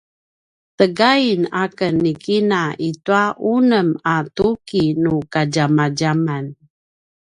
tegain aken ni kina i tua unem a tuki nu kadjamadjaman